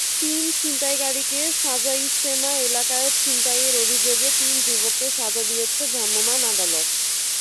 তিন ছিনতাইকারীকে সাজাইজতেমা এলাকায় ছিনতাইয়ের অভিযোগে তিন যুবককে সাজা দিয়েছে ভ্রাম্যমাণ আদালত।